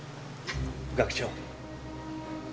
学長。